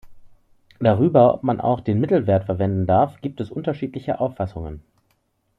Darüber, ob man auch den Mittelwert verwenden darf, gibt es unterschiedliche Auffassungen.